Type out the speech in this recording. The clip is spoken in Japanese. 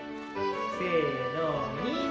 せのにっ！